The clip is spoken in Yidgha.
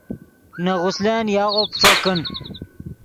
نے غسلن یاغو پیݯو کن